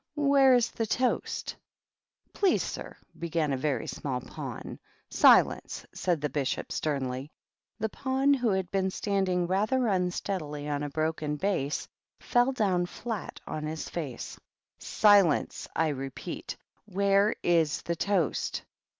Where is the toast?" " Please, sir,'* began a very small pawn. " Silence !" said the Bishop, sternly. The pawn, who had been standing rather un steadily on a broken base, fell down flat on Im face. "Silence I I repeat! Where is the toast?